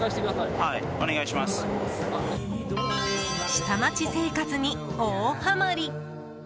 下町生活に大ハマリ。